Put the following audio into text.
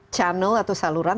channel atau saluran